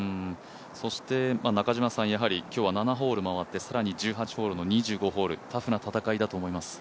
そして今日は７ホール回って更に１８ホールの２５ホール、タフな戦いだと思います。